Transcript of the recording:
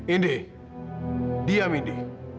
indi diam indi